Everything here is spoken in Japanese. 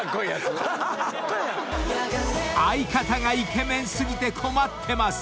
［相方がイケメン過ぎて困ってます！